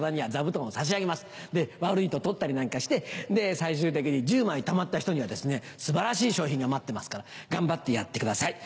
最終的に１０枚たまった人にはですね素晴らしい賞品が待ってますから頑張ってやってください。